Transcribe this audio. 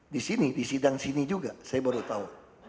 di sini di sidang sini juga saya baru tahu